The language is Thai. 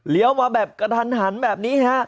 เลี้ยวมาแบบกระทันหันแบบนี้ฮะ